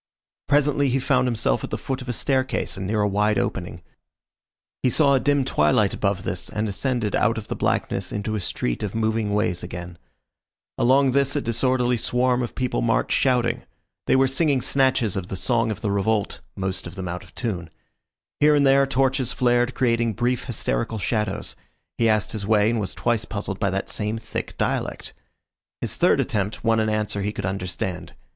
Presently he found himself at the foot of a staircase and near a wide opening. He saw a dim twilight above this and ascended out of the blackness into a street of moving ways again. Along this a disorderly swarm of people marched shouting. They were singing snatches of the song of the revolt, most of them out of tune. Here and there torches flared creating brief hysterical shadows. He asked his way and was twice puzzled by that same thick dialect. His third attempt won an answer he could understand.